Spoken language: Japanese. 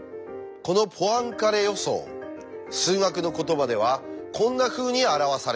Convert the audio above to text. このポアンカレ予想数学の言葉ではこんなふうに表されます。